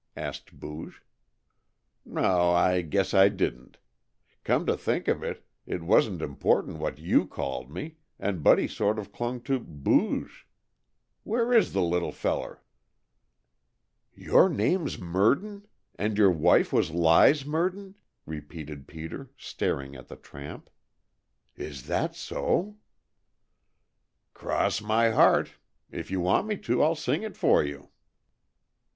asked Booge. "No, I guess I didn't. Come to think of it, it wasn't important what you called me, and Buddy sort of clung to 'Booge.' Where is the little feller?" "Your name's Merdin? And your wife was Lize Merdin?" repeated Peter, staring at the tramp. "Is that so?" "Cross my heart. If you want me to, I'll sing it for you."